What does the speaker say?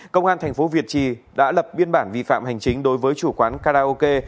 công an tp việt trì đã lập biên bản vi phạm hành chính đối với chủ quán karaoke